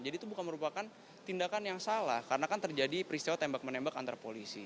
jadi itu bukan merupakan tindakan yang salah karena kan terjadi peristiwa tembak menembak antar polisi